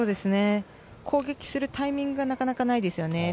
攻撃するタイミングがなかなかないですね。